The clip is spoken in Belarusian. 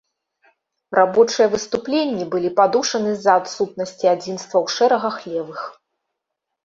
Рабочыя выступленні былі падушаны з-за адсутнасці адзінства ў шэрагах левых.